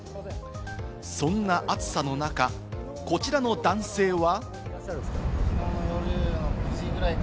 そんな暑さの中、こちらの男性は。